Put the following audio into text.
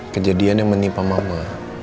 kejadian yang menipu mama